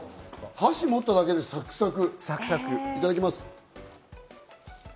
箸持っただけでサクサク！